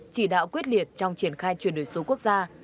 chỉ đạo quyết liệt trong triển khai chuyển đổi số quốc gia